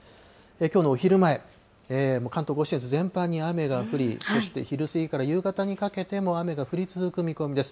きょうのお昼前、関東甲信越、全般に雨が降り、そして昼過ぎから夕方にかけても雨が降り続く見込みです。